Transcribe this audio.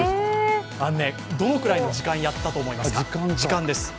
どのくらいの時間やったと思いますか？